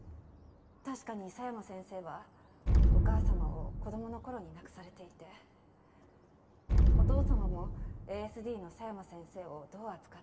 確かに佐山先生はお母様を子どもの頃に亡くされていてお父様もＡＳＤの佐山先生をどう扱っていいかわからず。